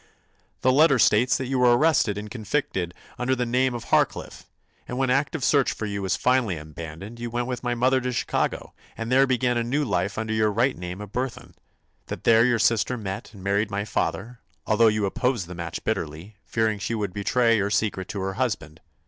"The letter states that you were arrested and convicted under the name of Harcliffe; that when active search for you was finally abandoned you went with my mother to Chicago, and there began a new life under your right name of Burthon; that there your sister met and married my father, although you opposed the match bitterly, fearing she would betray your secret to her husband.